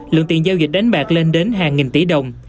lượng tiền giao dịch đánh bạc lên đến hàng nghìn tỷ đồng